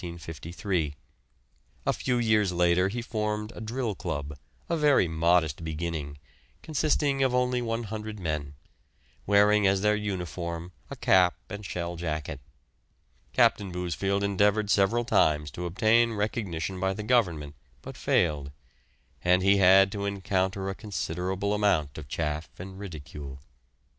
A few years later he formed a drill club, a very modest beginning, consisting of only 100 men, wearing as their uniform a cap and shell jacket. Captain Bousfield endeavoured several times to obtain recognition by the Government, but failed; and he had to encounter a considerable amount of chaff and ridicule.